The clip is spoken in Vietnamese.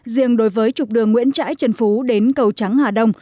riêng đối với trục đường nguyễn trãi trần phú đến cầu trắng hà đông